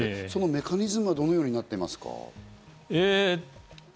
そのメカニズムはどのようになっていますか？